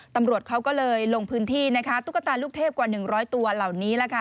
ตำรวจเขาก็เลยลงพื้นที่นะคะตุ๊กตาลูกเทพกว่า๑๐๐ตัวเหล่านี้แหละค่ะ